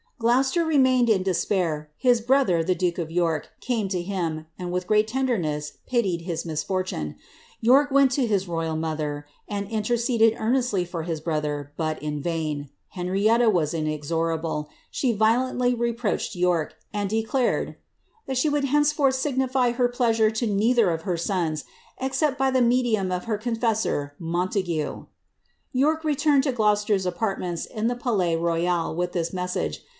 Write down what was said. "* Gloucester remained in despair; his brother, the duke of York, came to him, and with great tenderness pitied his misfortune. York went to his royal mother, and interceded earnestly for his brother, but in vain. Henrietta was inexorable ; she violently reproached York, and declared that she would henceforth signify her pleasure to neither of her sons, except by the medium of her confessor, Montague." York returned to Gloucester's apartments in the Palais Royal with this message.